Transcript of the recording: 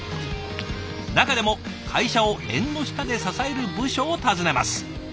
中でも会社を縁の下で支える部署を訪ねます。